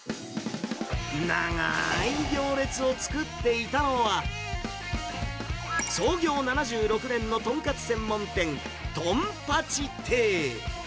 長ーい行列を作っていたのは、創業７６年の豚カツ専門店、とん八亭。